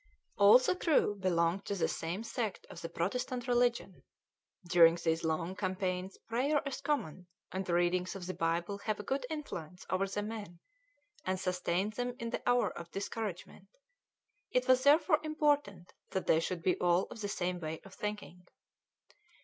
All the crew belonged to the same sect of the Protestant religion; during these long campaigns prayer in common and the reading of the Bible have a good influence over the men and sustain them in the hour of discouragement; it was therefore important that they should be all of the same way of thinking.